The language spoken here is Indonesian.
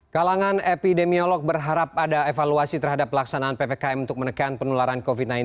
kalangan epidemiolog berharap ada evaluasi terhadap pelaksanaan ppkm untuk menekan penularan covid sembilan belas